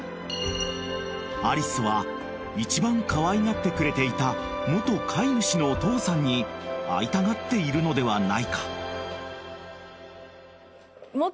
［アリスは一番かわいがってくれていた元飼い主のお父さんに会いたがっているのではないか］